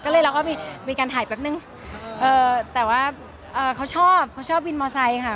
ก็เลยเราก้มีการถ่ายแป๊บนึงแต่ว่าเขาชอบวินมอเตอร์ไซด์ค่ะ